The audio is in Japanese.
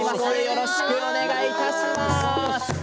よろしくお願いします。